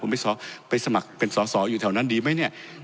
ไปสมัครเป็นสอสออยู่แถวนั้นดีไหมเนี่ย